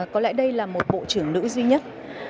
có lẽ đây là một bộ trưởng nữ duy nhất